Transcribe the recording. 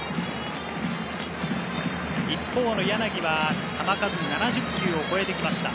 一方の柳は球数が７０球を超えてきました。